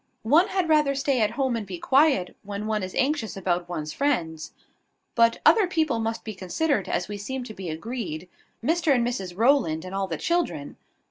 "One had rather stay at home and be quiet, when one is anxious about one's friends: but other people must be considered, as we seem to be agreed, Mr and Mrs Rowland, and all the children.